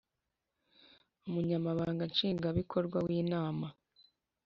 Umunyamabanga Nshingwabikorwa w Inama